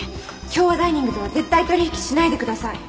京和ダイニングとは絶対取引しないでください。